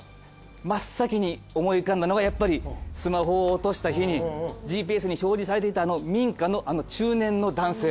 真っ先に思い浮かんだのがやっぱりスマホを落とした日にＧＰＳに表示されていたあの民家のあの中年の男性。